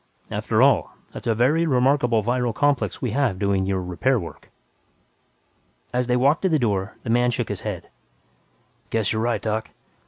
After all, that's a very remarkable viral complex we have doing your 'repair' work." As they walked to the door, the man shook his head, "Guess you're right, Doc.